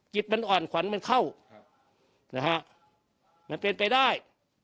จิตมันอ่อนขวัญมันเข้านะฮะมันเป็นไปได้